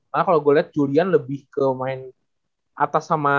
malah kalo gue liat julian lebih ke main atas sama